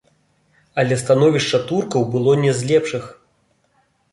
Але становішча туркаў было не з лепшых.